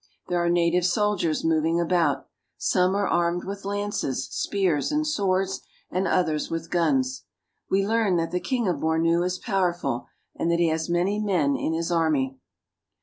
There are native soldiers moving about. Some are armed with lances, spears, and swords, and others with guns. We learn that the king of Bornu is powerful, and that he has many men in his army.